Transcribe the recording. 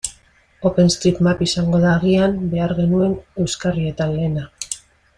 OpenStreetMap izango da agian behar genuen euskarrietan lehena.